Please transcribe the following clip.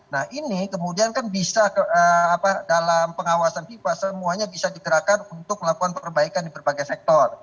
nah ini kemudian kan bisa dalam pengawasan fifa semuanya bisa digerakkan untuk melakukan perbaikan di berbagai sektor